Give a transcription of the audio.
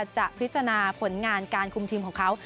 จะพิจารณาผลงานการคุมทีมของเขา